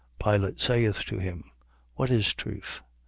Pilate saith to him: What is truth?